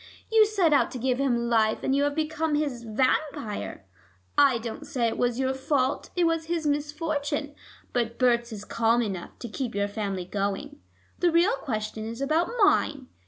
You set out to give him life, and you have become his vampire. I don't say it was your fault: it was his misfortune. But Berts is calm enough to keep your family going. The real question is about mine.